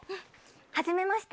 はじめまして。